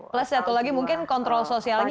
plus satu lagi mungkin kontrol sosialnya